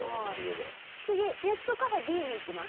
次ネットカフェＢに行きます。